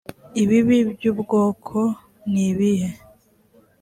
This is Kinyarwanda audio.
ibibi by ubwoko nibihe